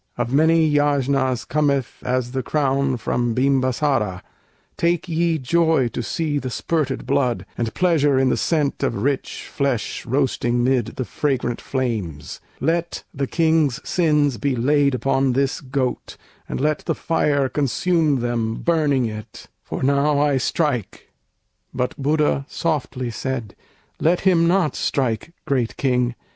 Of many yajnas cometh as the crown From Bimbasâra: take ye joy to see The spirted blood, and pleasure in the scent Of rich flesh roasting 'mid the fragrant flames; Let the King's sins be laid upon this goat, And let the fire consume them burning it, For now I strike." But Buddha softly said, "Let him not strike, great King!"